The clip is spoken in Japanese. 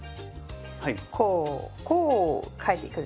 こうこう帰ってくる。